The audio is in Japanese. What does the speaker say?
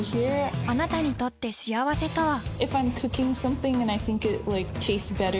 あなたにとって幸せとは？